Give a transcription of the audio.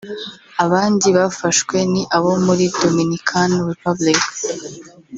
Abandi bafashwe ni abo muri Dominican Republic